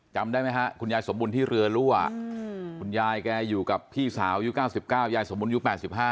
จำได้ไหมฮะคุณยายสมบูรณ์ที่เรือรั่วคุณยายแกอยู่กับพี่สาวอายุ๙๙ยายสมบูรณยุค๘๕